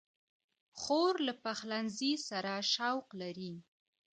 خور له پخلنځي سره شوق لري.